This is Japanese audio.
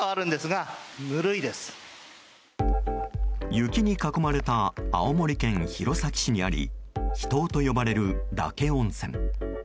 雪に囲まれた青森県弘前市にあり秘湯と呼ばれる嶽温泉。